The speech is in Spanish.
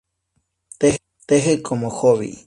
Teje como hobby.